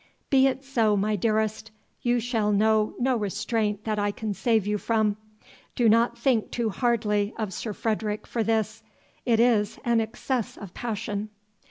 "Be it so, my dearest; you shall know no restraint that I can save you from. Do not think too hardly of Sir Frederick for this, it is an excess of passion."